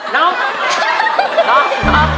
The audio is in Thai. น้อง